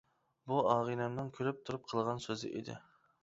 بۇ ئاغىنەمنىڭ كۈلۈپ تۇرۇپ قىلغان سۆزى ئىدى.